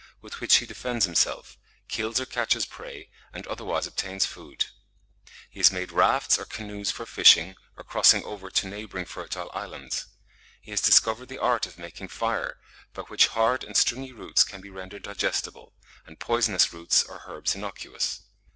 with which he defends himself, kills or catches prey, and otherwise obtains food. He has made rafts or canoes for fishing or crossing over to neighbouring fertile islands. He has discovered the art of making fire, by which hard and stringy roots can be rendered digestible, and poisonous roots or herbs innocuous.